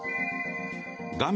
画面